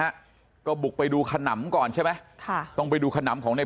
ฮะก็บุกไปดูขนำก่อนใช่ไหมค่ะต้องไปดูขนำของใน